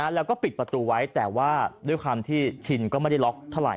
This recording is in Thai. แล้วก็ปิดประตูไว้แต่ว่าด้วยความที่ชินก็ไม่ได้ล็อกเท่าไห